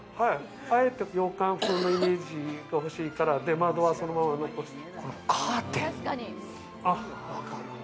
あえて洋館風のイメージがほしいから、出窓はそのまま残して。